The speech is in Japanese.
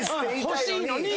欲しいのに。